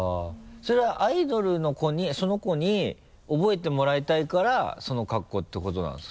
それはその子に覚えてもらいたいからその格好ってことなんですか？